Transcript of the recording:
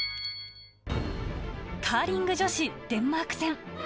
カーリング女子、デンマーク戦。